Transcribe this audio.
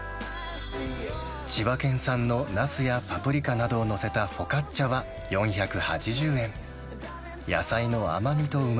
千葉県産のナスやパプリカなどを載せたフォカッチャは４８０円。